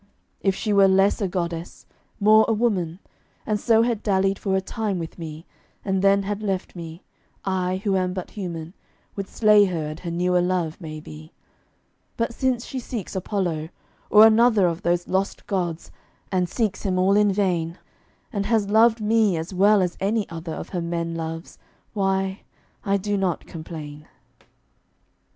If she were less a goddess, more a woman, And so had dallied for a time with me, And then had left me, I, who am but human, Would slay her and her newer love, maybe. But since she seeks Apollo, or another Of those lost gods (and seeks him all in vain) And has loved me as well as any other Of her men loves, why, I do not complain.